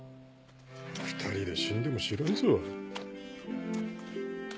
２人で死んでも知らんぞ。